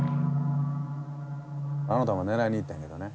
あの球狙いにいったんやけどね。